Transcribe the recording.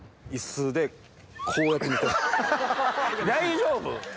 大丈夫？